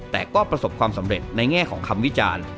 แต่ก็ประสบความสำเร็จในแง่ของคำวิจารณ์